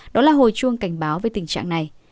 đó là hồi chuông cảnh báo về tình trạng này